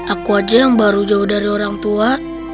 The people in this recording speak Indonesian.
aku aja yang baru jauh dari orang tua